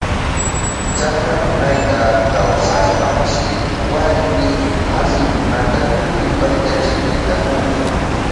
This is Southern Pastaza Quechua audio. Chasna unayta kawsashpanshi warmi masinkunaka tukuy payta chiknirkakuna.